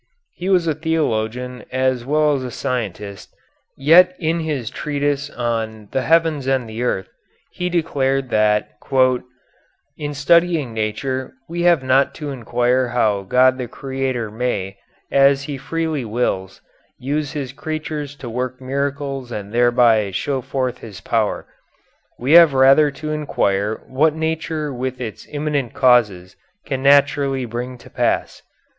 He was a theologian as well as a scientist, yet in his treatise on "The Heavens and the Earth" he declared that "in studying nature we have not to inquire how God the Creator may, as He freely wills, use His creatures to work miracles and thereby show forth His power. We have rather to inquire what nature with its immanent causes can naturally bring to pass."